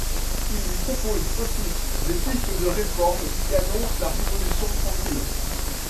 Il y propose aussi des pistes de réforme qui annoncent la Révolution tranquille.